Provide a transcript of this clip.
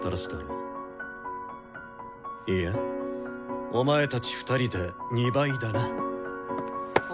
いやお前たち２人で２倍だな。